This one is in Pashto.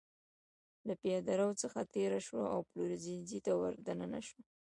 له پېاده رو څخه تېره شوه او پلورنځي ته ور دننه شوه.